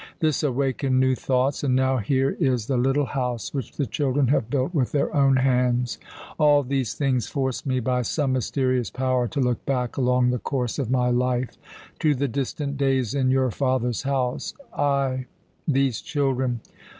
This awakened new thoughts, and now here is the little house which the children have built with their own hands. All these things forced me by some mysterious power to look back along the course of my life to the distant days in your father's house I These children!